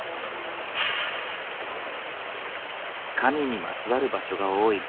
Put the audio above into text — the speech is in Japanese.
神にまつわる場所が多い出雲地方。